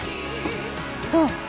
そう。